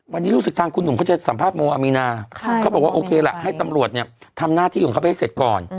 วันนี้รู้สึกทางคุณหนุ่มเขาจะสัมภาษโมอามีนาเขาบอกว่าโอเคล่ะให้ตำรวจเนี่ยทำหน้าที่ของเขาไปให้เสร็จก่อน